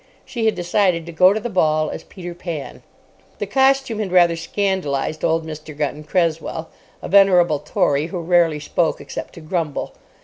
She had decided to go to the ball as Peter Pan. The costume had rather scandalised old Mr. Gunton Cresswell, a venerable Tory who rarely spoke except to grumble.